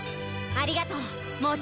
ありがとう蒙毅。